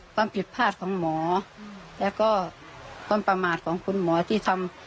ความผิดพลาดของหมอแล้วก็ความประมาทของคุณหมอที่ทำ